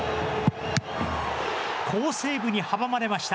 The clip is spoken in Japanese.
好セーブに阻まれました。